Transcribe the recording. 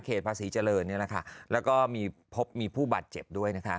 ภาษีเจริญเนี่ยนะคะแล้วก็มีพบมีผู้บาดเจ็บด้วยนะคะ